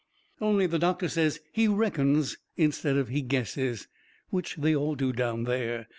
Only the doctor says he "reckons" instead of he "guesses," which they all do down there.